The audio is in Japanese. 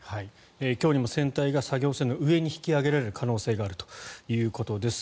今日にも船体が作業船の上に引き揚げられる可能性があるということです。